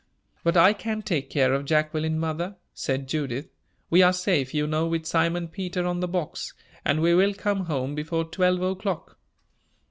"But I can take care of Jacqueline, mother," said Judith; "we are safe, you know, with Simon Peter on the box, and we will come home before twelve o'clock."